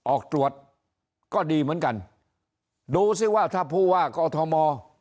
ออกตรวจก็ดีเหมือนกันดูสิว่าถ้าผู้ว่ากอทม